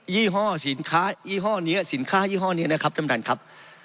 ยี่ห้อสินค้ายี่ห้อเนี้ยนะครับท่านประทานครับ